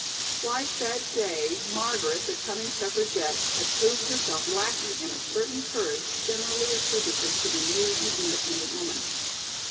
Twice that day Margaret, the coming suffragette, had proved herself lacking in a certain courage generally attributed to the new and independent woman.